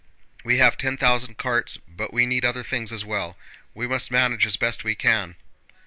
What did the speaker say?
We have ten thousand carts, but we need other things as well—we must manage as best we can!"